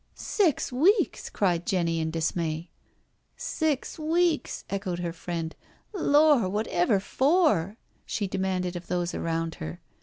" Six weeks I " cried Jenny in dismay. " Six weeks I " echoed her friend. " Lor', whatever for?" she demanded of those around her.